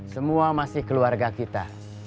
semua masih keluarga kita